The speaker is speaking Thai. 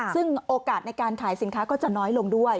ซึ่งโอกาสในการขายสินค้าก็จะน้อยลงด้วย